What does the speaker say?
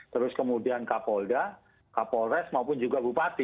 terus kemudian kapolda kapolres maupun juga bupati